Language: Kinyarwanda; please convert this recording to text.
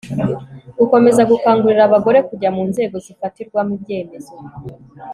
gukomeza gukangurira abagore kujya mu nzego zifatirwamo ibyemezo